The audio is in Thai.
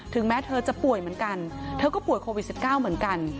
แม้เธอจะป่วยเหมือนกันเธอก็ป่วยโควิด๑๙เหมือนกัน